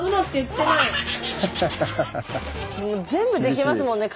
全部できますもんね